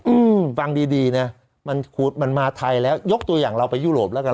อืมฟังดีดีนะมันมันมาไทยแล้วยกตัวอย่างเราไปยุโรปแล้วกัน